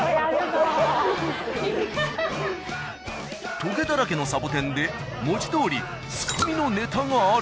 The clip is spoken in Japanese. トゲだらけのサボテンで文字どおりつかみのネタがある。